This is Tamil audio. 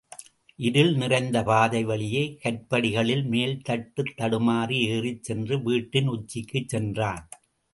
இருள் நிறைந்த பாதை வழியே, கற்படிகளின்மேல் தட்டுத் தடுமாறி ஏறிச் சென்று, வீட்டின் உச்சிக்குச் சென்றான்.